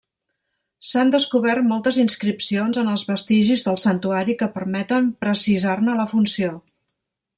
S'han descobert moltes inscripcions en els vestigis del santuari que permeten precisar-ne la funció.